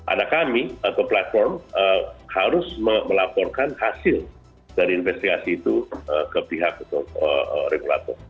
ada kami atau platform harus melaporkan hasil dari investigasi itu ke pihak regulator